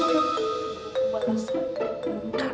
ya allah eh apaan